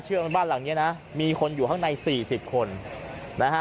เชื่อว่าบ้านหลังเนี้ยนะมีคนอยู่ข้างในสี่สิบคนนะฮะ